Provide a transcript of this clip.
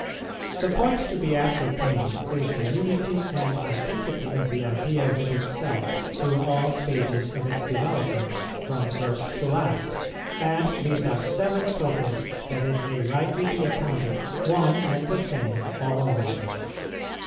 The point to be ascertained is the unity and identity of the idea with itself through all stages of its development from first to last, and these are seven tokens that it may rightly be accounted one and the same all along.